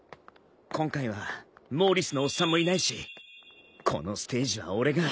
今回はモーリスのおっさんもいないしこのステージは俺が。